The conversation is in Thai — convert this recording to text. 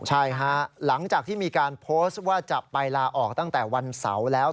ใช่ฮะหลังจากที่มีการโพสต์ว่าจะไปลาออกตั้งแต่วันเสาร์แล้ว